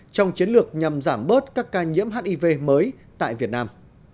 trong chiến lược nhằm giảm bớt các ca nhiễm hiv mới tại việt nam